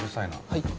はい。